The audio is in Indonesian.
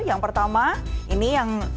yang pertama ini yang